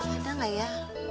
ada gak ya